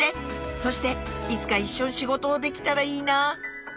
そしていつか一緒に仕事をできたらいいな